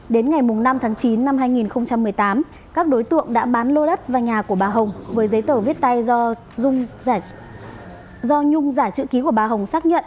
đến ngày năm tháng chín năm hai nghìn một mươi tám các đối tượng đã bán lô đất và nhà của bà hồng với giấy tờ viết tay do dung do nhung giả chữ ký của bà hồng xác nhận